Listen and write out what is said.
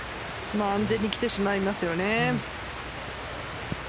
安全に来てしまいますよね。